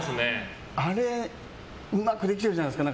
あれうまくできてるじゃないですか。